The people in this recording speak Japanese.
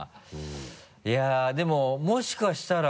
いやでももしかしたら。